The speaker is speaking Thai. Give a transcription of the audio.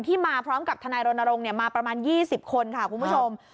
มาพร้อมกับทนายรณรงค์มาประมาณ๒๐คนค่ะคุณผู้ชม